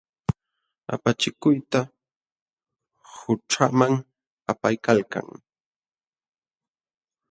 Apachikuyta qućhaman apaykalkan.